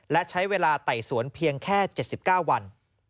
และใช้เวลาไต่สวนเพียงแค่๗๙วัน